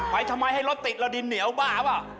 ทำไมให้รถติดเราดินเหนียวบ้าเปล่า